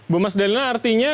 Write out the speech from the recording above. bu mas delina artinya